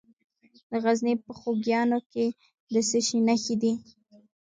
د غزني په خوږیاڼو کې د څه شي نښې دي؟